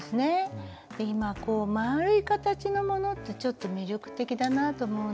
今丸い形のものってちょっと魅力的だなって思うんですよね。